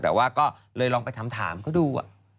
แต่ว่าก็เลยลองไปถามเขาดู